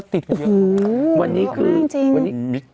ตัวนี้อย่างมูกรรมเธอก็ติดอยู่